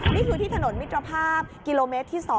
นี่คือที่ถนนมิตรภาพกิโลเมตรที่๒